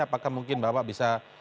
apakah mungkin bapak bisa